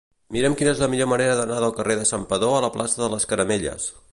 Mira'm quina és la millor manera d'anar del carrer de Santpedor a la plaça de les Caramelles.